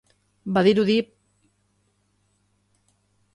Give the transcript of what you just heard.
Badirudi planteamendu hori ez dela egokia.